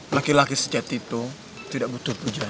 laki laki sejati itu tidak butuh pujian